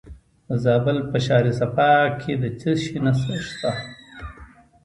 د زابل په شهر صفا کې د څه شي نښې دي؟